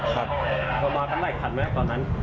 มาก็หลายคันมั้ยก่อนนั้น